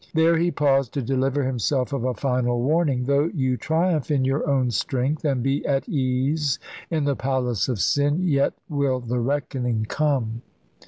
There he paused to deliver himself of a final warning: "Though you triumph in your own strength, and be at ease in the palace of sin, yet will the reckoning come.